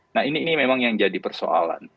nah ini memang yang jadi persoalan